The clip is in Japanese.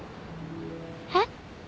えっ？